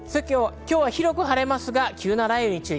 今日は広く晴れますが、急な雷雨に注意。